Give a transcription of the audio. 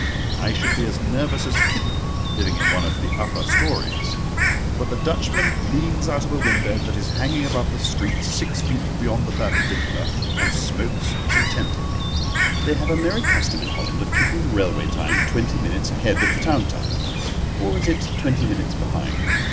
I should be as nervous as a kitten, living in one of the upper storeys. But the Dutchman leans out of a window that is hanging above the street six feet beyond the perpendicular, and smokes contentedly. They have a merry custom in Holland of keeping the railway time twenty minutes ahead of the town time—or is it twenty minutes behind?